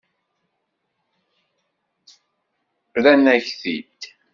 Rran-ak-t-id.